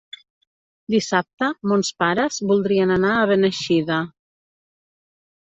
Dissabte mons pares voldrien anar a Beneixida.